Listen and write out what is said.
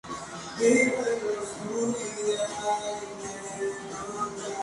En el evento principal, Okada falló en su desafío de título contra Hiroshi Tanahashi.